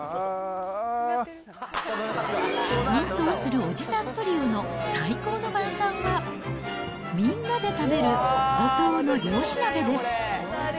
奮闘するおじさんトリオの最高の晩さんは、みんなで食べる五島の漁師鍋です。